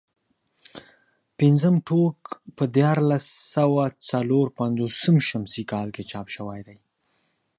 پنځم ټوک په دیارلس سوه څلور پنځوس شمسي کال کې چاپ شوی دی.